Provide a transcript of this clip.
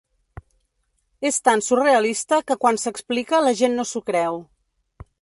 És tan surrealista que quan s’explica la gent no s’ho creu.